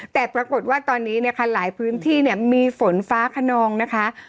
แต่ปรากฏว่าตอนนี้นะคะหลายพื้นที่เนี่ยมีฝนฟ้าขนองนะคะ